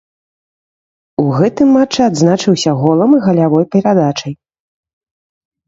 У гэтым матчы адзначыўся голам і галявой перадачай.